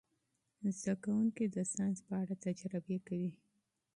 زده کوونکي د ساینس په اړه تجربې کوي.